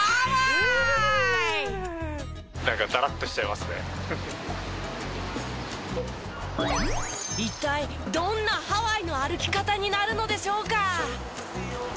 なんか一体どんな「ハワイの歩き方」になるのでしょうか？